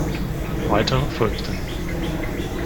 Weitere folgten.